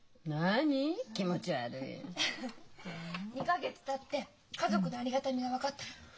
２か月たって家族のありがたみが分かったの。